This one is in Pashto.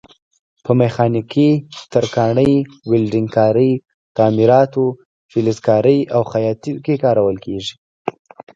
په میخانیکي، ترکاڼۍ، ویلډنګ کارۍ، تعمیراتو، فلزکارۍ او خیاطۍ کې کارول کېږي.